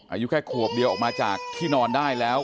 อายุแค่ขวบเดียวออกมาจากที่นอนได้แล้ว